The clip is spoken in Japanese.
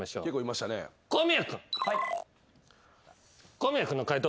小宮君の解答